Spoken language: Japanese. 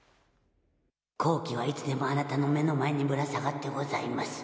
好機はいつでもあなたの目の前にぶら下がってございます